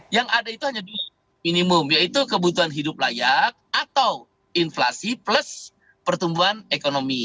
yang ada itu hanya dua minimum yaitu kebutuhan hidup layak atau inflasi plus pertumbuhan ekonomi